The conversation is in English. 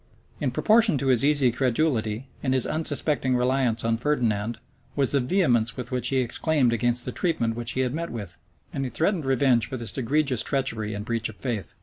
In proportion to his easy credulity, and his unsuspecting reliance on Ferdinand, was the vehemence with which he exclaimed against the treatment which he met with; and he threatened revenge for this egregious treachery and breach of faith.